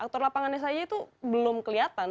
aktor lapangan itu belum kelihatan